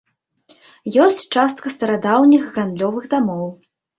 Ёсць частка старадаўніх гандлёвых дамоў.